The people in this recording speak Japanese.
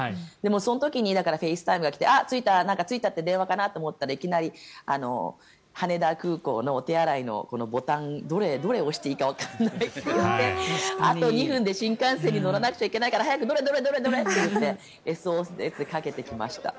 その時に、フェイスタイムが来て着いた！って来て電話かなと思ったらいきなり羽田空港のお手洗いのボタンどれを押していいかわからないあと２分で新幹線に乗らなきゃいけないからどれどれ？って早く乗れ、乗れって言ってＳＯＳでかけてきました。